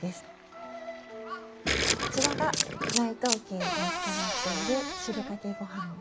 そちらが内藤家に伝わっている汁かけ御飯です。